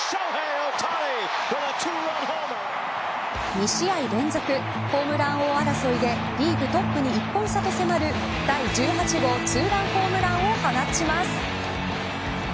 ２試合連続ホームラン王争いでリーグトップに１本差と迫る第１８号ツーランホームランを放ちます。